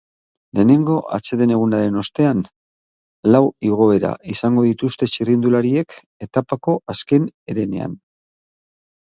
Lehenengo atseden egunaren ostean, lau igoera izango dituzte txirrindulariek etapako azken herenean.